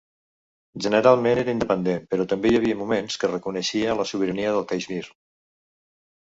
Generalment era independent però també hi havia moments que reconeixia la sobirania de Caixmir.